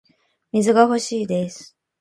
水が欲しいです